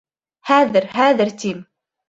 Хәҙер, хәҙер, тим!